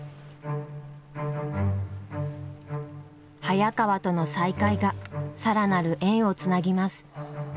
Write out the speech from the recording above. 早川との再会が更なる縁をつなぎます。